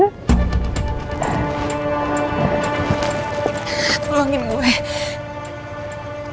kamu yang udah bikin nama suami aku tuh jadi jelek